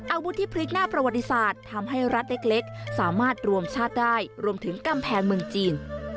อาวุธที่พลิกหน้าประวัติศาสตร์ทำให้รัฐเล็กสามารถรวมชาติได้รวมถึงกำแพงเมืองจีน